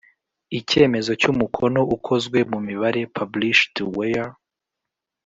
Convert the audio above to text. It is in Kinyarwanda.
Icyemezo cy umukono ukozwe mu mibare published where